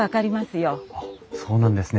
そうなんですね。